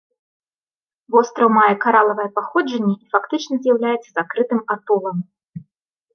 Востраў мае каралавае паходжанне і фактычна з'яўляецца закрытым атолам.